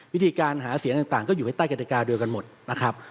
วิธีการหาเสียงต่างก็อยู่ไว้ใต้กฎิกาเดียวกันหมดนะครับ